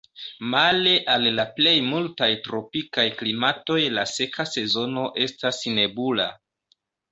Male al la plej multaj tropikaj klimatoj la seka sezono estas nebula.